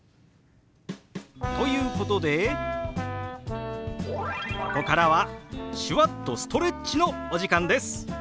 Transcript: ということでここからは手話っとストレッチのお時間です。